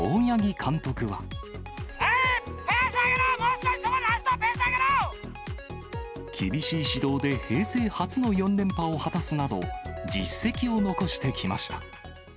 ペース上げろ、もう少し、厳しい指導で平成初の４連覇を果たすなど、実績を残してきました。